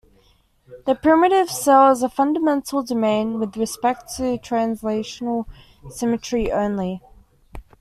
The primitive cell is a fundamental domain with respect to translational symmetry only.